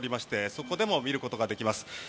そこでも見ることができます。